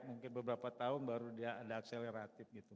mungkin beberapa tahun baru dia ada akseleratif gitu